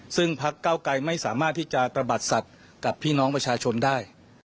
ซึ่งพักเก้าไกรไม่สามารถที่จะตระบัดสัตว์กับพี่น้องประชาชนได้